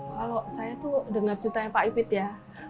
kalau saya tuh dengar ceritanya pak ipid ya